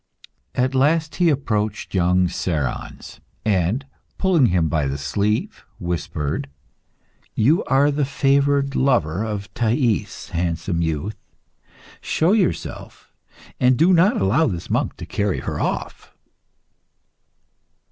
At last he approached young Cerons, and pulling him by the sleeve, whispered "You are the favoured lover of Thais, handsome youth; show yourself, and do not allow this monk to carry her off."